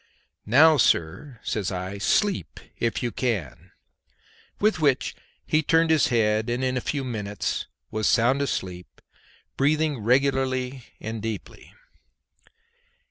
"Now, sir," says I, "sleep if you can;" with which he turned his head and in a few minutes was sound asleep, breathing regularly and deeply.